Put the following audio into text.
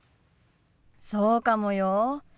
そうかもよ。